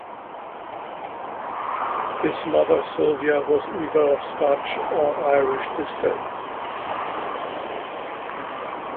His mother Sylvia was either of Scotch or Irish descent.